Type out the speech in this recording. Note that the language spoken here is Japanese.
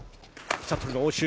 シャトルの応酬。